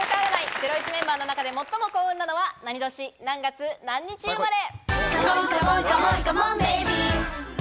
『ゼロイチ』メンバーの中で最も幸運なのは、何年、何月、何日生まれ。